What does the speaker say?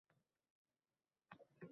Yo`q, hech ham charchamadim